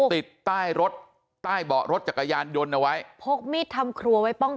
ติดใต้รถใต้เบาะรถจักรยานยนต์เอาไว้พกมีดทำครัวไว้ป้องกัน